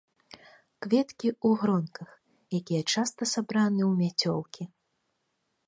Кветкі ў гронках, якія часта сабраны ў мяцёлкі.